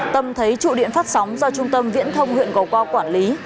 tâm thấy trụ điện phát sóng do trung tâm viễn thông huyện gò qua quản lý